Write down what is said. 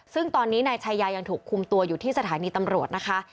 ซึ่งตอนนี้นายชายายังถูกคุมตัวอยู่ที่สถานีตำรวจนะคะ